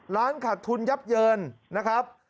ร้านขาดทุนยับเยินนะครับ